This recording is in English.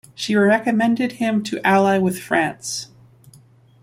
She recommended him to ally with France.